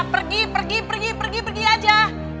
pergi pergi pergi pergi pergi pergi aja